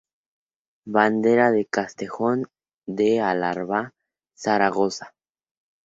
Bandera de Castejón de Alarba-Zaragoza.